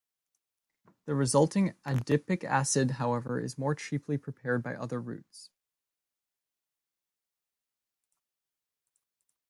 The resulting adipic acid however is more cheaply prepared by other routes.